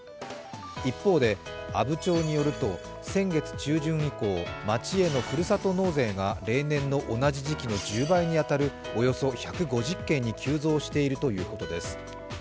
一方で、阿武町によると先月中旬以降、町へのふるさと納税が例年の同じ時期の１０倍に当たるおよそ１５０件に急増しているということです。